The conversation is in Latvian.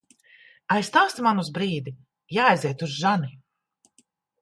Aizstāsi mani uz brīdi? Jāaiziet uz žani.